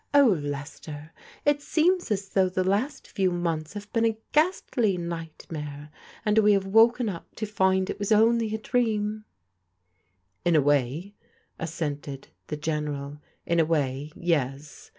Oh* Lester, it seems as iboogh the last few months have bees a ^^haitiy csghrntare^ and we have wt)ke up to find i: was ccly a drearr;.'* *^ Is A way."* assented the Gei^ral, " in a way, yes.